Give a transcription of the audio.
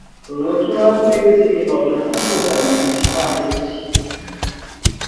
Por outro lado, eles ignoram completamente a rede.